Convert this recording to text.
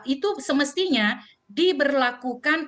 itu semestinya diberlakukan